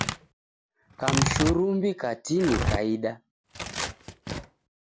Kamshurumbi katini kaida.